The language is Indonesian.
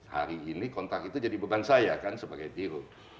hari ini kontak itu jadi beban saya kan sebagai dirut